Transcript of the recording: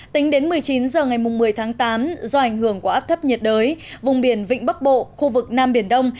tính đến một mươi chín h ngày một mươi tháng tám do ảnh hưởng của áp thấp nhiệt đới vùng biển vịnh bắc bộ khu vực nam biển đông